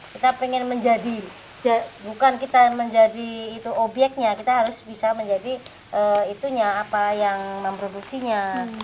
kita ingin menjadi bukan kita menjadi itu obyeknya kita harus bisa menjadi itunya apa yang memproduksinya